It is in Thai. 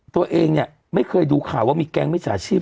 ตัวเองไม่เคยดูข่าวว่ามีแก๊งบิจกาศิษย์